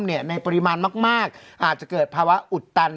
ในปริมาณมากอาจจะเกิดภาวะอุดตัน